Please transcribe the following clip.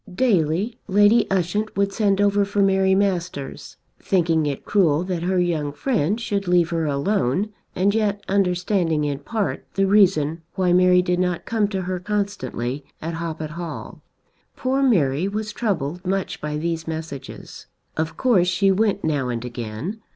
Daily Lady Ushant would send over for Mary Masters, thinking it cruel that her young friend should leave her alone and yet understanding in part the reason why Mary did not come to her constantly at Hoppet Hall. Poor Mary was troubled much by these messages. Of course she went now and again.